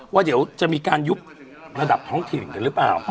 ว่าเดี๋ยวจะมีการยุทธ์ระดับท้องถึงเหรอเปล่า